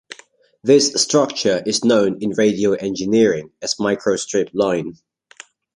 This structure is known in radio engineering as microstrip line.